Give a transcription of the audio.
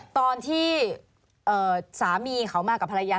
ตอนที่สามีเขามากับภรรยา